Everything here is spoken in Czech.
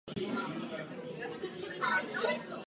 Koruna má kulovitý habitus.